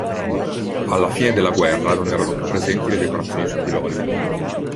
Alla fine della guerra non erano più presenti le decorazioni sui piloni.